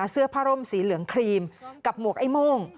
เสื้อผ้าร่มสีเหลืองครีมกับหมวกไอ้โม่ง